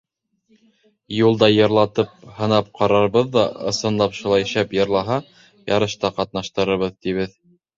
Юлда йырлатып, һынап ҡарарбыҙ ҙа, ысынлап шулай шәп йырлаһа, ярышта ҡатнаштырырбыҙ, тибеҙ.